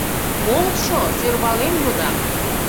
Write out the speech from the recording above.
Полшо, сӧрвален йодам.